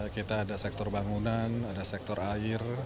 kita ada sektor bangunan ada sektor air